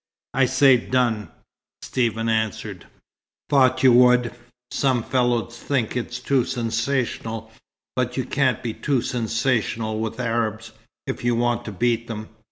"I say 'done!'" Stephen answered. "Thought you would. Some fellows'd think it too sensational; but you can't be too sensational with Arabs, if you want to beat 'em.